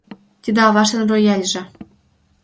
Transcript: Тиде аваштын рояльже.